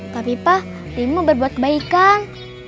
tapi papa debbie mau berbuat kebaikan